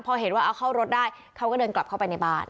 พอเห็นว่าเอาเข้ารถได้เขาก็เดินกลับเข้าไปในบ้าน